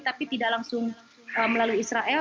tapi tidak langsung melalui israel